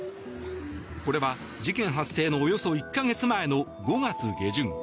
これは事件発生のおよそ１か月前の５月下旬。